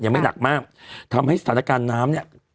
ไม่หนักมากทำให้สถานการณ์น้ำเนี่ย